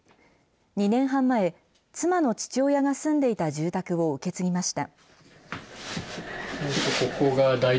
２年半前、妻の父親が住んでいた住宅を受け継ぎました。